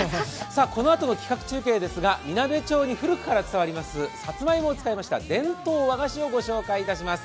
このあとの企画中継ですが、みなべ町に古くから伝わりますさつまいもを使った伝統和菓子をご紹介します。